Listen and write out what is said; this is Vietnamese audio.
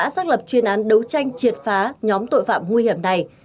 xác lập chuyên án đấu tranh triệt phá nhóm tội phạm nguy hiểm này